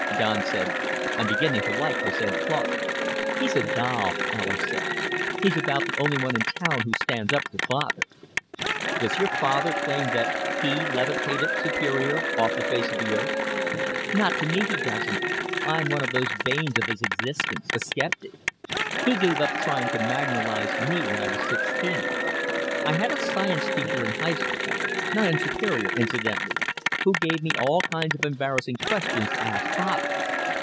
_ Don said, "I'm beginning to like this Ed Clark." "He's a doll," Alis said. "He's about the only one in town who stands up to Father." "Does your father claim that he levitated Superior off the face of the Earth?" "Not to me he doesn't. I'm one of those banes of his existence, a skeptic. He gave up trying to magnolize me when I was sixteen. I had a science teacher in high school not in Superior, incidentally who gave me all kinds of embarrassing questions to ask Father.